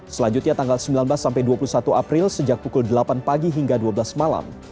selanjutnya tanggal sembilan belas sampai dua puluh satu april sejak pukul delapan pagi hingga dua belas malam